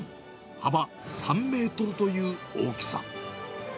幅３メートルという大きさ。